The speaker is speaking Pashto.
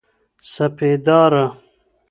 سپېداره